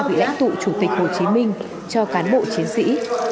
vị lãnh tụ chủ tịch hồ chí minh cho cán bộ chiến sĩ